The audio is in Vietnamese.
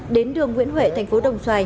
đến đường nguyễn huệ tp đồng xoài